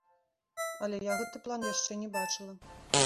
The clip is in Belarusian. Але я гэты план яшчэ не бачыла.